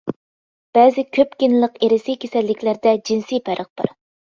بەزى كۆپ گېنلىق ئىرسىي كېسەللىكلەردە جىنسىي پەرق بار.